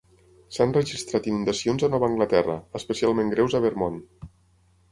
S'han registrat inundacions a Nova Anglaterra, especialment greus a Vermont.